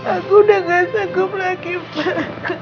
aku udah gak sanggup lagi pak